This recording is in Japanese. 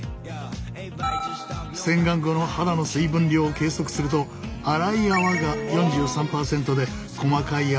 洗顔後の肌の水分量を計測すると粗い泡が４３％で細かい泡は４７％。